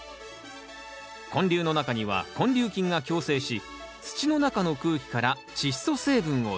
根粒の中には根粒菌が共生し土の中の空気からチッ素成分を取り込み